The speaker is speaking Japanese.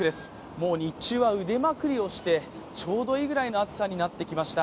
もう日中は腕まくりをしてちょうどいいくらいの暑さになってきました。